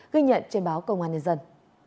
ghi nhận trên báo công an nhân dân